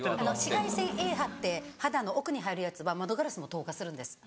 紫外線Ａ波って肌の奥に入るやつは窓ガラスも透過するんです。